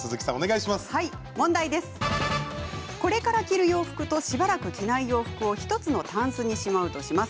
これから着る洋服と、しばらく着ない洋服を１つのたんすにしまうとします。